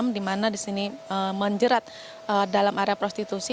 di mana di sini menjerat dalam area prostitusi